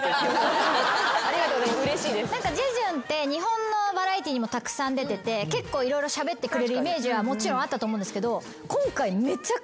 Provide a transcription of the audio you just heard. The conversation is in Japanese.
ジェジュンって日本のバラエティーにもたくさん出てて色々しゃべってくれるイメージはもちろんあったと思うんですけど。